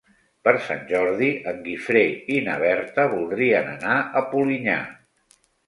Per Sant Jordi en Guifré i na Berta voldrien anar a Polinyà.